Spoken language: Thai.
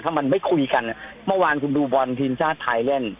ถ้ามันไม่คุยกันเมื่อวานคุณดูบอลทีมชาติไทยเล่น